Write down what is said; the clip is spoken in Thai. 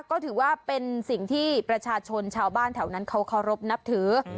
ก็ถือว่าเป็นสิ่งที่ประชาชนชาวบ้านแถวนั้นเขาเคารพนับถือ